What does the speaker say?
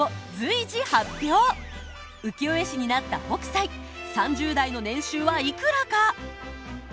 浮世絵師になった北斎３０代の年収はいくらか？